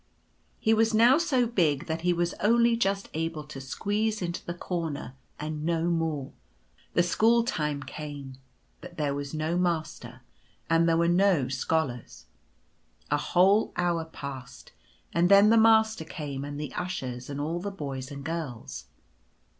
He was now so big that he was only just able to squeeze into the corner and no more. The school time came, but there was no Master, and there were no Scholars. A whole hour passed; and then the Master came, and the Ushers, and all the Boys and Girls.